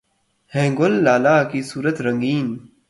ہیں گل لالہ کی صورت رنگیں